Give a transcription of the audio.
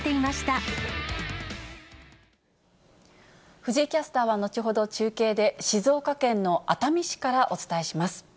藤井キャスターは後ほど中継で、静岡県の熱海市からお伝えします。